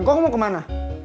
kau mau kemana